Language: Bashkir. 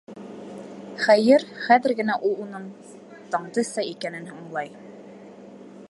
Хәйер, хәҙер генә ул уның Таңдыса икәнен аңлай.